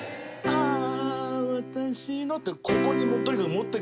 ああ。